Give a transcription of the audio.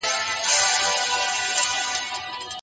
په کور کې د ماشوم استعداد نه وژل کېږي.